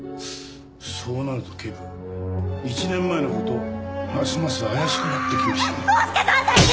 そうなると警部１年前の事ますます怪しくなってきましたね。